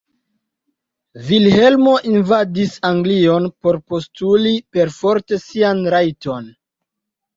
Vilhelmo invadis Anglion por postuli perforte sian "rajton".